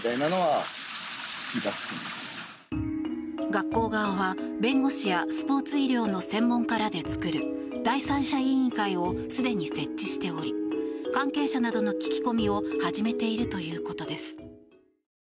学校側は、弁護士やスポーツ医療の専門家らで作る第三者委員会をすでに設置しており関係者などの聞き込みを始めているということです。